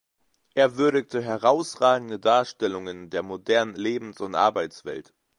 Er würdigte herausragende Darstellungen der modernen Lebens- und Arbeitswelt.